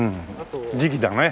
時期だね。